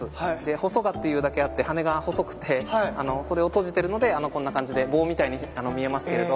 ホソガというだけあって羽が細くてそれを閉じてるのでこんな感じで棒みたいに見えますけれど。